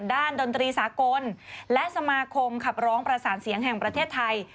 ดนตรีสากลและสมาคมขับร้องประสานเสียงแห่งประเทศไทย